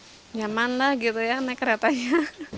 selain harganya murah nyaman lah gitu ya naik keretanya